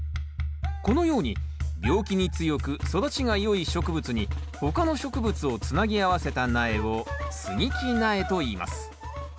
このように病気に強く育ちがよい植物に他の植物をつなぎ合わせた苗を接ぎ木苗といいます。